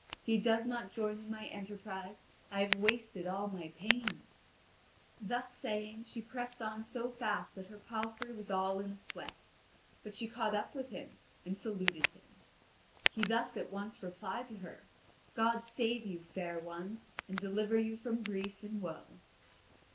If he does not join in my enterprise, I have wasted all my pains." Thus saying, she pressed on so fast that her palfrey was all in a sweat; but she caught up with him and saluted him. He thus at once replied to her: "God save you, fair one, and deliver you from grief and woe."